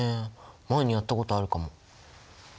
前にやったことあるかも。